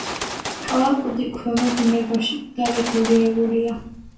კალაპოტი ქვემო დინებაში დარეგულირებულია.